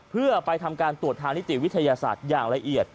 เพื่อไปทำการตรวจทางนิติวิทยาศาสตร์อย่างละเอียด